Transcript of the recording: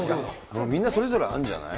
みんなそれぞれあるんじゃない？